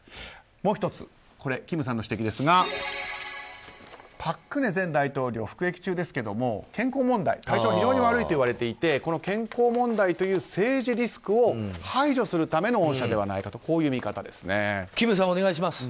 もう１つ、金さんの指摘ですが朴槿惠前大統領、服役中ですが健康問題体調が非常に悪いといわれていて健康問題という政治リスクを排除するための恩赦ではないかと金さん、お願いします。